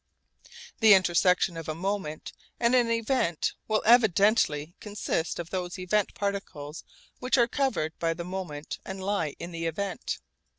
The intersection of a moment and an event will evidently consist of those event particles which are covered by the moment and lie in the event.